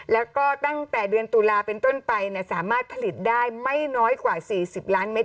แล้วก็ตั้งแต่เดือนตุลาเป็นต้นไปสามารถผลิตได้ไม่น้อยกว่า๔๐ล้านเมตร